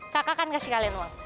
kakak kan kasih kalian uang